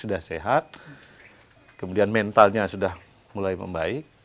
sudah sehat kemudian mentalnya sudah mulai membaik